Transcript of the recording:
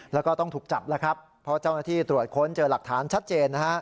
แล้วก็ต้องถูกจับแล้วครับเพราะเจ้าหน้าที่ตรวจค้นเจอหลักฐานชัดเจนนะฮะ